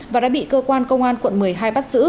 và đã bị cơ quan công an quận một mươi hai bắt giữ